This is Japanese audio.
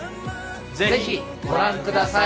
ぜひご覧ください！